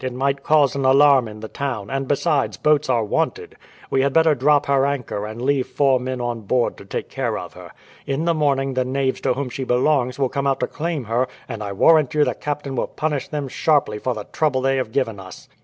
"It might cause an alarm in the town; and, besides, boats are wanted. We had better drop her anchor, and leave four men on board to take care of her. In the morning the knaves to whom she belongs will come out to claim her; and I warrant you the captain will punish them sharply for the trouble they have given us."